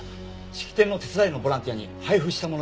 式典の手伝いのボランティアに配布したものです。